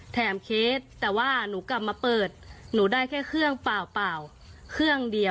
เคสแต่ว่าหนูกลับมาเปิดหนูได้แค่เครื่องเปล่าเครื่องเดียว